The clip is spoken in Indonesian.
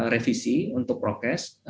revisi untuk prokes